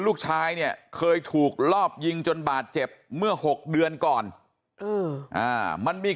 ลูกชายเนี่ยเคยถูกลอบยิงจนบาดเจ็บเมื่อ๖เดือนก่อนมันมี